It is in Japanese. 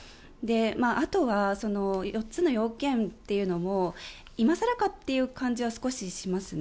あとは４つの要件というのも今更かっていう感じは少ししますね。